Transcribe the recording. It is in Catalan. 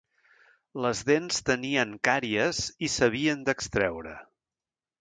Les dents tenien càries i s'havien d'extreure.